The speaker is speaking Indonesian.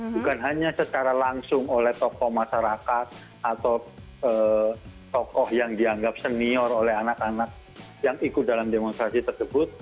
bukan hanya secara langsung oleh tokoh masyarakat atau tokoh yang dianggap senior oleh anak anak yang ikut dalam demonstrasi tersebut